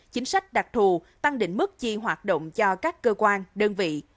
chính sách đặc thù tăng định mức chi hoạt động cho các cơ quan đơn vị